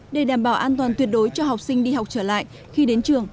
để đảm bảo an toàn tuyệt đối cho học sinh đi học trở lại khi đến trường